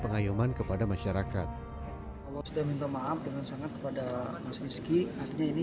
pengayuman kepada masyarakat allah sudah minta maaf dengan sangat kepada mas rizky artinya ini